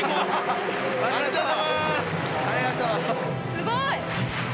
すごい！